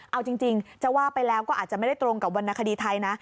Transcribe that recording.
เอาจริงจะว่าไปแล้วก็อาจจะไม่ได้ตรงกับวรรณคดีไทยนะ